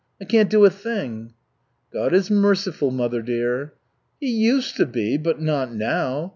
I can't do a thing." "God is merciful, mother dear." "He used to be, but not now.